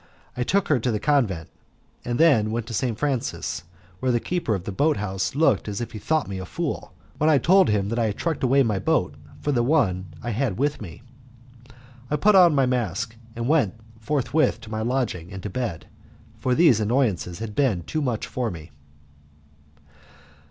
I took her to the convent, and then went to St. Francis, where the keeper of the boathouse looked as if he thought me a fool, when I told him that I had trucked away my boat for the one I had with me. I put on my mask, and went forthwith to my lodging and to bed, for these annoyances had been too much for me.